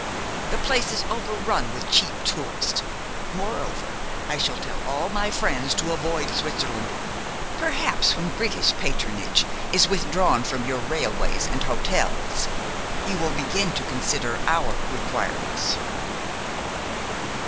The place is overrun with cheap tourists. Moreover, I shall tell all my friends to avoid Switzerland. Perhaps, when British patronage is withdrawn from your railways and hotels, you will begin to consider our requirements."